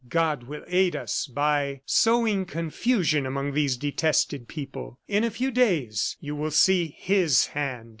God will aid us by sowing confusion among these detested people. In a few days you will see His hand.